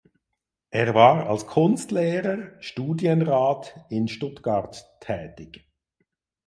Er war als Kunstlehrer (Studienrat) in Stuttgart tätig.